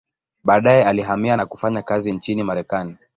Baadaye alihamia na kufanya kazi nchini Marekani.